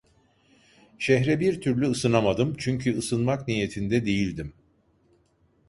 Şehre bir türlü ısınamadım, çünkü ısınmak niyetinde değildim.